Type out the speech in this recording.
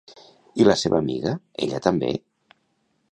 I la seva amiga, ella també?